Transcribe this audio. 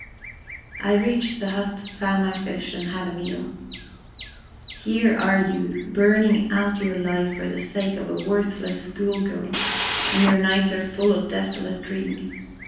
I reached the hut, found my fish, and had a meal. Here are you burning out your life for the sake of a worthless schoolgirl, and your nights are full of desolate dreams.